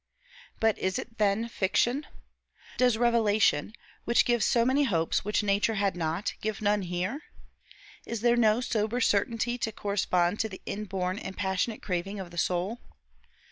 But is it, then, fiction? Does revelation, which gives so many hopes which nature had not, give none here? Is there no sober certainty to correspond to the inborn and passionate craving of the soul?